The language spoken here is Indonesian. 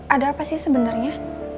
ada apa sih sebenernya